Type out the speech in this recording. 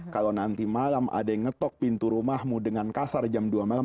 kalau nanti malam ada yang ngetok pintu rumahmu dengan kasar jam dua malam